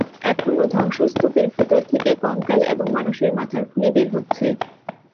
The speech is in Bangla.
এখনো ধ্বংসস্তূপের ভেতর থেকে কঙ্কাল এবং মানুষের মাথার খুলি বের হচ্ছে।